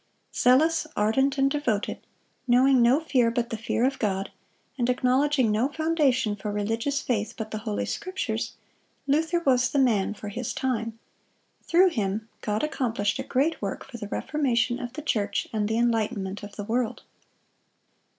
Zealous, ardent, and devoted, knowing no fear but the fear of God, and acknowledging no foundation for religious faith but the Holy Scriptures, Luther was the man for his time; through him, God accomplished a great work for the reformation of the church and the enlightenment of the world.